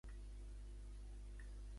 De què tracta el que diu Torra?